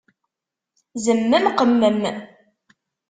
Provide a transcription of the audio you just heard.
Zemmem, qemmem!